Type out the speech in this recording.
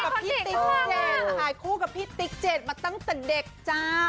อาอายคู่กับพี่ติ๊กเจ็ดมาตั้งแต่เด็กจ้า